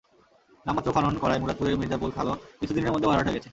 নামমাত্র খনন করায় মুরাদপুরের মির্জাপুর খালও কিছুদিনের মধ্যে ভরাট হয়ে গেছে।